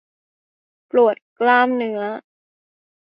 ปวดกล้ามเนื้อ